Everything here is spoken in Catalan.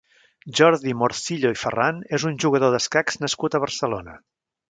Jordi Morcillo i Ferran és un jugador d'escacs nascut a Barcelona.